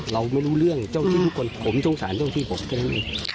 เราไม่รู้เรื่องเจ้าที่ลูกคนผมสงสารเจ้าที่ผมก็ได้ไม่รู้